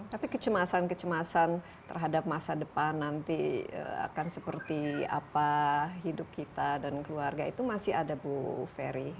tapi kecemasan kecemasan terhadap masa depan nanti akan seperti apa hidup kita dan keluarga itu masih ada bu ferry